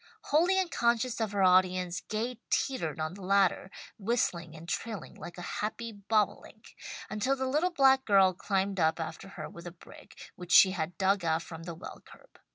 Wholly unconscious of her audience, Gay teetered on the ladder, whistling and trilling like a happy bobolink, until the little black girl climbed up after her with a brick which she had dug out from the well curb.